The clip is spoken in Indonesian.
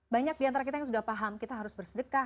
banyak diantara kita yang sudah paham kita harus bersedekah